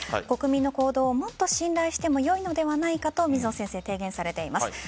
国民の行動をもっと信頼しても良いのではないかと水野先生は提言されています。